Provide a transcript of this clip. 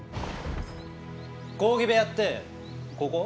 講義部屋ってここ？